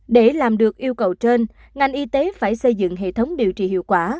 để làm được yêu cầu trên ngành y tế phải xây dựng hệ thống điều trị hiệu quả